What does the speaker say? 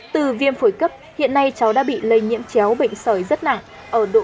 từ viêm phổi cấp hiện nay cháu đã bị lây nhiễm chéo bệnh sởi rất nặng ở độ ba độ bốn